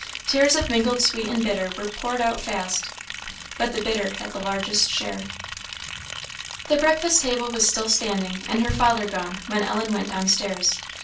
Tears of mingled sweet and bitter were poured out fast, but the bitter had the largest share. The breakfast table was still standing, and her father gone, when Ellen went down stairs. Mrs.